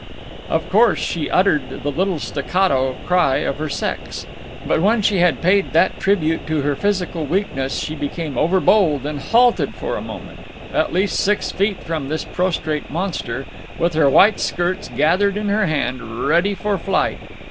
Of course she uttered the little staccato cry of her sex. But when she had paid that tribute to her physical weakness she became overbold, and halted for a moment at least six feet from this prostrate monster with her white skirts gathered in her hand, ready for flight.